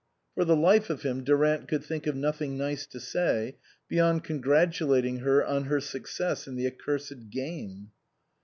For the life of him Durant could think of nothing nice to say, beyond congratulating her on her success in the accursed game.